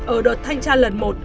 ở đợt thanh tra lần một